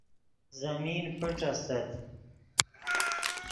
زمین پیݯ استت